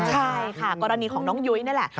ใช่ค่ะกรณีของน้องยุ้ยนี่แหละ